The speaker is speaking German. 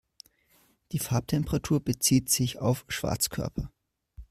Die Farbtemperatur bezieht sich auf Schwarzkörper.